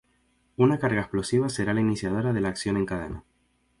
Una carga explosiva será la iniciadora de la acción en cadena.